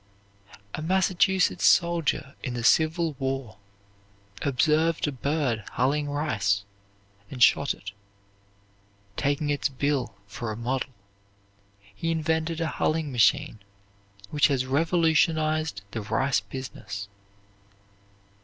A Massachusetts soldier in the Civil War observed a bird hulling rice, and shot it; taking its bill for a model, he invented a hulling machine which has revolutionized the rice business.